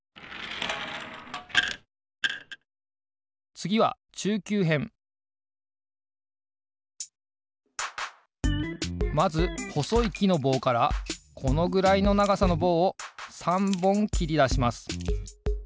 つぎはまずほそいきのぼうからこのぐらいのながさのぼうを３ぼんきりだします。